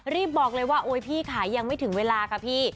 บอกเลยว่าโอ๊ยพี่ค่ะยังไม่ถึงเวลาค่ะพี่